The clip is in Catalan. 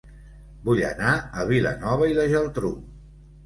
Vull anar a Vilanova i la Geltrú